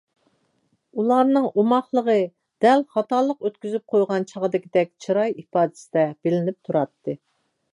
ئۇلارنىڭ ئوماقلىقى دەل خاتالىق ئۆتكۈزۈپ قويغان چاغدىكىدەك چىراي ئىپادىسىدە بىلىنىپ تۇراتتى.